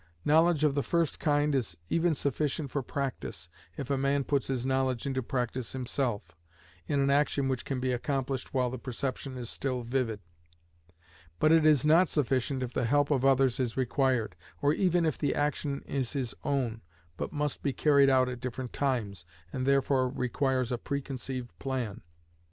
Knowledge of the first kind is even sufficient for practice, if a man puts his knowledge into practice himself, in an action which can be accomplished while the perception is still vivid; but it is not sufficient if the help of others is required, or even if the action is his own but must be carried out at different times, and therefore requires a pre conceived plan.